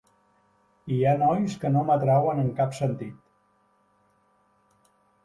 Hi ha nois que no m'atrauen en cap sentit.